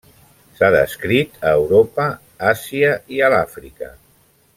S'ha descrit a Europa, Àsia i a l'Àfrica.